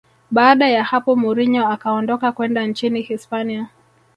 baada ya hapo mourinho akaondoka kwenda nchini hispania